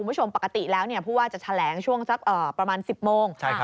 คุณผู้ชมปกติแล้วจะแถลงช่วงสักประมาณ๑๐โมง